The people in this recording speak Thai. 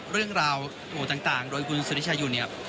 เรื่องราวโม่ต่างโดนกุลเซดิชายุลเนี่ย